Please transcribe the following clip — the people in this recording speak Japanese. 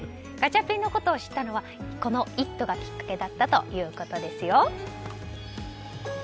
ガチャピンのことを知ったのは「イット！」がきっかけだったということですよ。